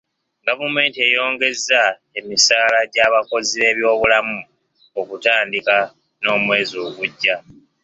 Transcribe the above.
Gavumenti eyongezza emisaala gy'abakozi b'ebyobulamu okutandika n'omwezi ogujja.